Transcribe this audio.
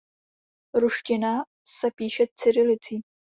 Ruština se píše cyrilicí.